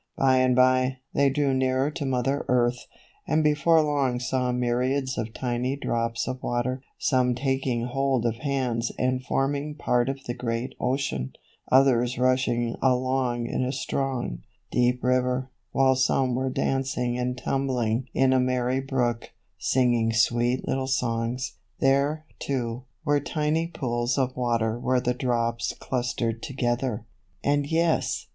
By and by, they drew nearer to Mother Earth, and before long saw myriads of tiny drops of water, some taking hold of hands and forming part of the great ocean, others rushing along in a strong, deep river, while some were dancing and tumbling in a merry brook, sing ing sweet little songs. There, too, were tiny pools of water where the drops clustered to THE WATER DROPS. 133 gether, and yes!